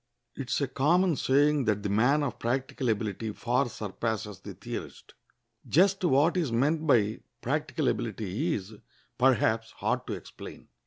] It is a common saying that the man of practical ability far surpasses the theorist. Just what is meant by practical ability is, perhaps, hard to explain.